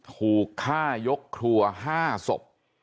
ถูกฆ่ายกครัว๕ศพ